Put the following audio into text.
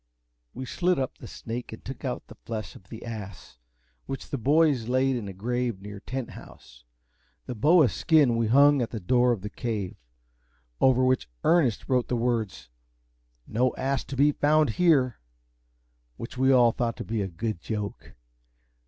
We slit up the snake, and took out the flesh of the ass, which the boys laid in a grave near Tent House. The boa's skin we hung up at the door of the Cave, over which Ernest wrote the words, "No ass to be found here," which we all thought to be a good joke.